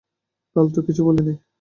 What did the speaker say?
কাল তো কিছু বলেনি?